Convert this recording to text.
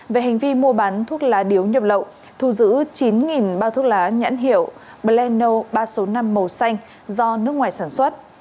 về hành vi mua bán thuốc lá điếu nhập lậu thu giữ chín bao thuốc lá nhãn hiệu blenno ba số năm màu xanh do nước ngoài sản xuất